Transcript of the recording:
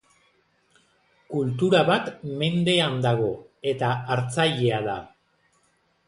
Kultura bat mendean dago eta hartzailea da.